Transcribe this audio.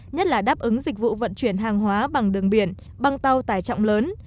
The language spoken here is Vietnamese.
nhất là đáp ứng dịch vụ vận chuyển hàng hóa bằng đường biển bằng tàu tải trọng lớn